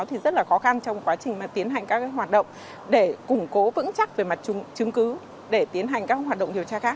thì rất là khó khăn trong quá trình mà tiến hành các hoạt động để củng cố vững chắc về mặt chứng cứ để tiến hành các hoạt động điều tra khác